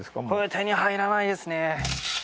これ手に入らないですね。